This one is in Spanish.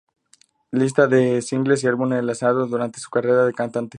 Lista de los singles y álbumes lanzado durante su carrera de cantante.